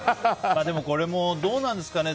これもどうなんですかね